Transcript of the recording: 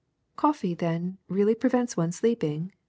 ''^^ Coffee, then, really prevents one's sleeping?"